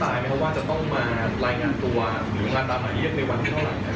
หมายความว่าจะต้องมารายงานตัวหรือมาตามหมายเรียกในวันที่เท่าไหร่